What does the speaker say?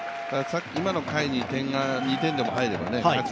今の回に点が２点でも入れば勝ち